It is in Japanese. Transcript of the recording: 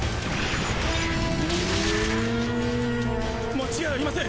間違いありません！